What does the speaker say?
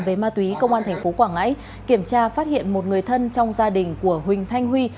về ma túy công an tp quảng ngãi kiểm tra phát hiện một người thân trong gia đình của huỳnh thanh huy